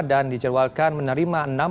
dan dijerwalkan menerima enam belas